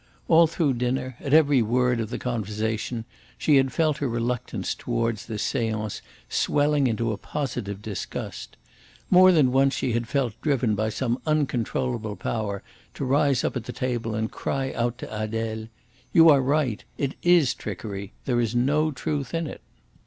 All through dinner, at every word of the conversation, she had felt her reluctance towards this seance swelling into a positive disgust. More than once she had felt driven by some uncontrollable power to rise up at the table and cry out to Adele: "You are right! It IS trickery. There is no truth in it."